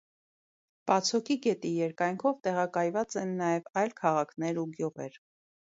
Պացոկի գետի երկայնքով տեղակայված են նաև այլ քաղաքներ ու գյուղեր։